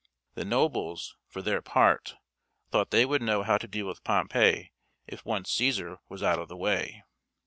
The nobles, for their part, thought they would know how to deal with Pompey if once Cæsar was out of the way.